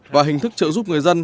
và hình thức trợ giúp người dân